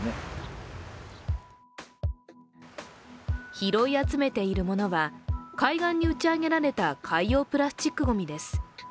拾い集めているものは、海岸に打ち上げられた、海洋プラスチックゴミです。